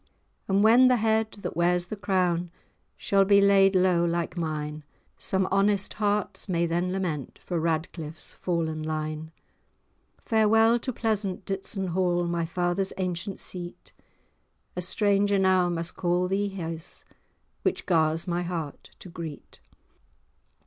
And when the head that wears the crown, Shall be laid low like mine, Some honest hearts may then lament For Radcliff's fallen line. Farewell to pleasant Ditson Hall, My father's ancient seat; A stranger now must call thee his, Which gars my heart to greet."